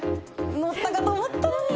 載ったかと思ったのに。